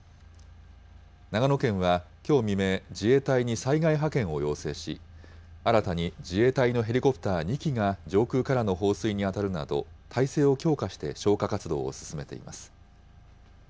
長野県はきょう未明、自衛隊に災害派遣を要請し、新たに自衛隊のヘリコプター２機が上空からの放水に当たるなど、態勢を強化して消火活動を進めています。